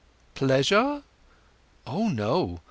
"Pleasure?" "Oh no.